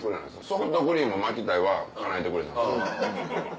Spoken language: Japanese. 「ソフトクリーム巻きたい」はかなえてくれたんですけど。